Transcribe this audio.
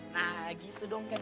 nah gitu dong ken